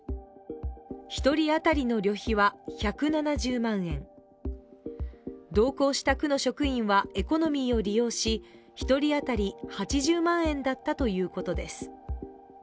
１人当たりの旅費は１７０万円、同行した区の職員はエコノミーを利用し、１人当たり８０万円だったということです。